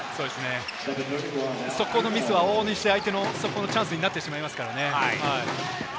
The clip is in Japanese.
そこのミスは往々にして相手のチャンスになってしまいますからね。